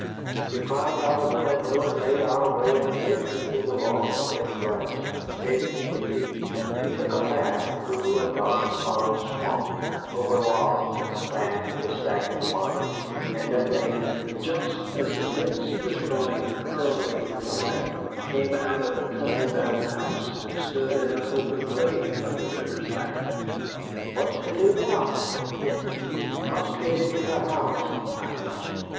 We climbed out of the window, and made our way in the mist through the long, wet grass, Nick leading. He took a path through a dark forest swamp, over logs that spanned the stagnant waters, and at length, just as the mist was growing pearly in the light, we came out at a tumble down house that stood in an open glade by the river's bank. "What's to do now?" said Nick. "We must get into the house," I answered.